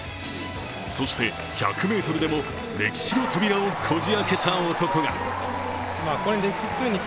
そして、１００ｍでも歴史の扉をこじ開けた男が。